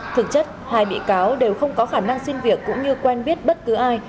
thực chất hai bị cáo đều không có khả năng xin việc cũng như quen biết bất cứ ai